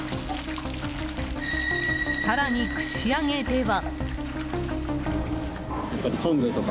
更に串揚げでは。